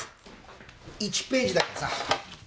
１ページだけさ